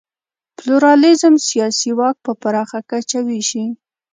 پلورالېزم سیاسي واک په پراخه کچه وېشي.